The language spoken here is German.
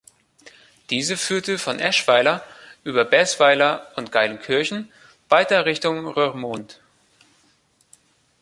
Diese führte von Eschweiler über Baesweiler und Geilenkirchen weiter Richtung Roermond.